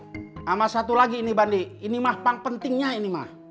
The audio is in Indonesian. sama satu lagi ini bandi ini mah pentingnya ini mah